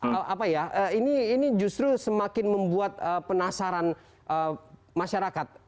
apa ya ini justru semakin membuat penasaran masyarakat